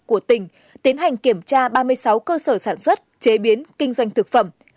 tp tuy hòa và tp tỉnh tiến hành kiểm tra ba mươi sáu cơ sở sản xuất chế biến kinh doanh thực phẩm